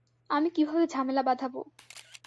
আমি কীভাবে ঝামেলা বাঁধাবো?